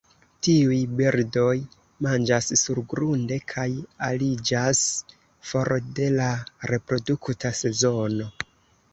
Tiuj birdoj manĝas surgrunde, kaj ariĝas for de la reprodukta sezono.